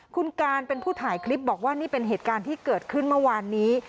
คุณการเป็นผู้ถ่ายคลิปบอกว่านี่เป็นเหตุการณ์ที่เกิดขึ้นเมื่อวานนี้